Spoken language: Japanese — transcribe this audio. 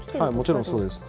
もちろん、そうです。